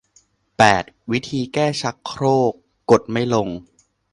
แปด วิธีแก้ชักโครกกดไม่ลง